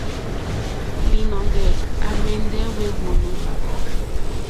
Līnɔ̄ŋgɛ̄ à mɛ̀ndɛ́ wé wòló.